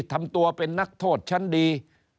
ทำตัวเป็นนักโทษชั้นดี